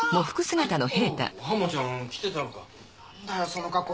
なんだよその格好。